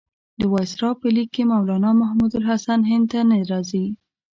د وایسرا په لیک کې مولنا محمودالحسن هند ته نه راځي.